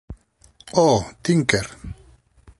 Oh, Tinker!